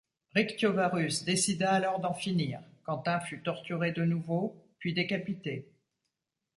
Rictiovarus décida alors d’en finir : Quentin fut torturé de nouveau, puis décapité.